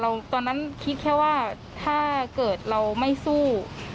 ตอนนั้นคิดแค่ว่าถ้าเกิดเราไม่สู้